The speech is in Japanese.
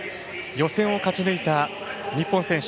予選を勝ち抜いた日本選手。